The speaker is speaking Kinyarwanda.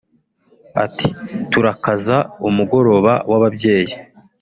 Ati “Turakaza umugoroba w’ababyeyi